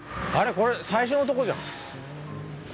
これ最初のとこじゃん。